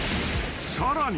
［さらに］